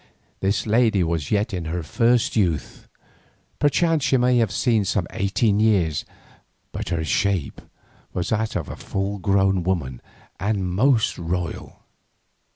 This lady was yet in her first youth, perchance she may have seen some eighteen years, but her shape was that of a full grown woman and most royal.